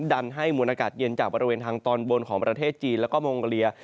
ดันให้มวลอากาศเย็นจากบริเวณทางตอนบนของประเทศจีนแล้วก็มองโกเลีย